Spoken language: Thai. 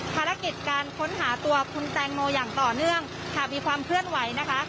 ภารกิจการค้นหาตัวคุณแตงโมอย่างต่อเนื่องค่ะมีความเคลื่อนไหวนะคะ